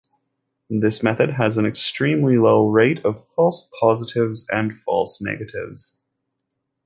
This method has an extremely low rate of false positives and false negatives.